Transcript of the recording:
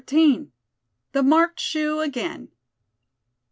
THE MARKED SHOE AGAIN.